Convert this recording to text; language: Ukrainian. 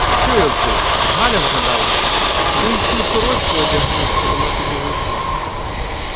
— Що, Юрку, Галя згадалася? Ти й ту сорочку одягнув, що вона тобі вишила.